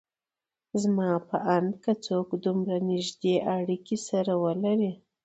زما په اند که څوک دومره نيږدې اړکې سره ولري